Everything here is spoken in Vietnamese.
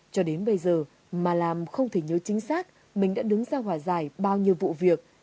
cho đến bây giờ ma lam không thể nhớ chính xác mình đã đứng ra hòa giải bao nhiêu vụ việc